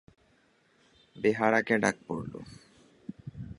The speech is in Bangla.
বেহারাকে ডাক পড়ল।